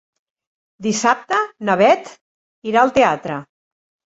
Dissabte na Beth irà al teatre.